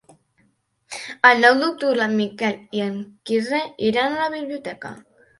El nou d'octubre en Miquel i en Quirze iran a la biblioteca.